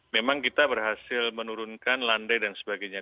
memang kita berhasil menurunkan landai dan sebagainya